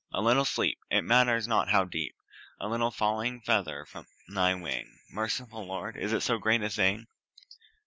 A little sleep it matters not how deep; A little falling feather from Thy wing: Merciful Lord is it so great a thing?